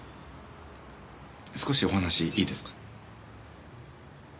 少しお話いいですか？